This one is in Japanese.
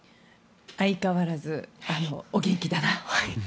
相変わらずお元気だなと。